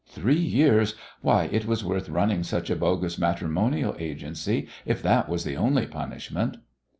Three years! Why, it was worth running such a bogus matrimonial agency if that was the only punishment.